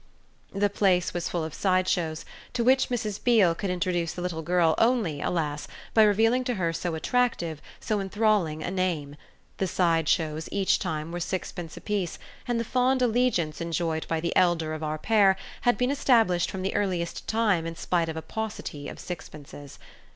The place was full of side shows, to which Mrs. Beale could introduce the little girl only, alas, by revealing to her so attractive, so enthralling a name: the side shows, each time, were sixpence apiece, and the fond allegiance enjoyed by the elder of our pair had been established from the earliest time in spite of a paucity of sixpences.